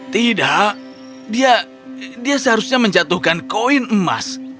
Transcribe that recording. tidak dia seharusnya menjatuhkan koin emas